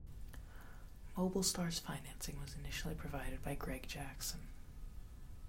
MobileStar's financing was initially provided by Greg Jackson.